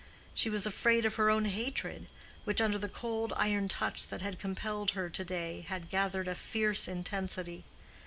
She was afraid of her own hatred, which under the cold iron touch that had compelled her to day had gathered a fierce intensity.